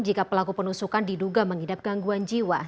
jika pelaku penusukan diduga mengidap gangguan jiwa